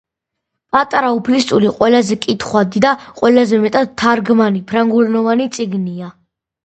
პატარა უფლისწული ყველაზე კითხვადი და ყველაზე მეტად თარგმანი ფრანგულენოვანი წიგნია.